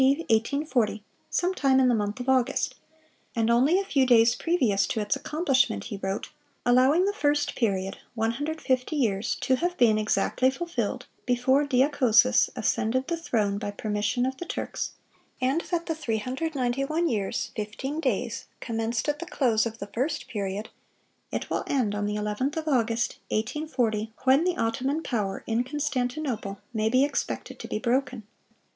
1840, sometime in the month of August;" and only a few days previous to its accomplishment he wrote: "Allowing the first period, 150 years, to have been exactly fulfilled before Deacozes ascended the throne by permission of the Turks, and that the 391 years, fifteen days, commenced at the close of the first period, it will end on the 11th of August, 1840, when the Ottoman power in Constantinople may be expected to be broken.